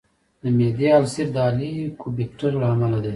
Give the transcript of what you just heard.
د معدې السر د هیليکوبیکټر له امله دی.